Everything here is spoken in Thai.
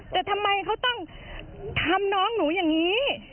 แต่ทำไมเขาต้องทำน้องหนูอย่างนี้